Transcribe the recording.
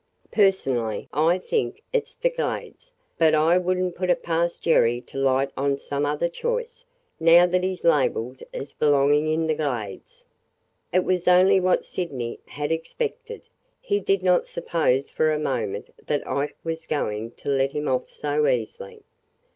Personally I think it 's the Glades, but I would n't put it past Jerry to light on some other choice, now that he 's labeled as belonging in the Glades." It was only what Sydney had expected. He did not suppose for a moment that Ike was going to let him off so easily.